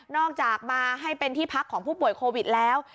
อกจากมาให้เป็นที่พักของผู้ป่วยโควิดแล้ว